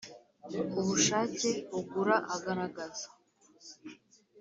ubushake ugura agaragaza